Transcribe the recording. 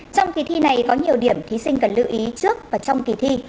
trong kỳ thi này có nhiều điểm thí sinh cần lưu ý trước và trong kỳ thi